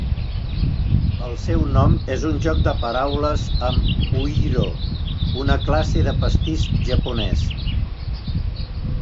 El seu nom és un joc de paraules amb "Uiro", una classe de pastís japonès.